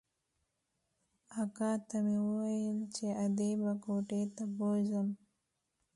اکا ته مې وويل چې ادې به کوټې ته بوځم.